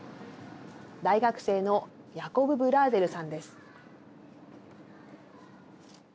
大学生のヤコブ・ブラーゼルさんです。